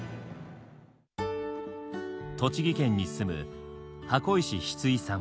栃木県に住む箱石シツイさん。